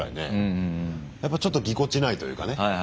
やっぱちょっとぎこちないというかね。